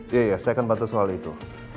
iya iya saya akan bantu soal itu